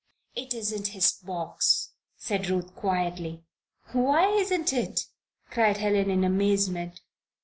"It isn't his box!" said Ruth, quietly. "Why isn't it?" cried Helen, in amazement.